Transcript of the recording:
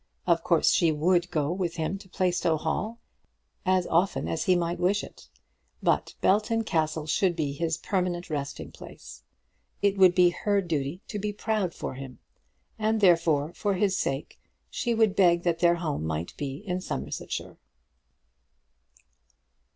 Of course she would go with him to Plaistow Hall as often as he might wish it; but Belton Castle should be his permanent resting place. It would be her duty to be proud for him, and therefore, for his sake, she would beg that their home might be in Somersetshire.